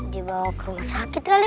dibawa ke rumah sakit kali